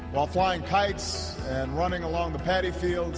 selalu menangis kain dan berjalan di paddy fields